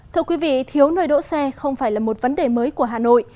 thưa quý vị thiếu nơi đỗ xe không phải là một vấn đề mới của hà nội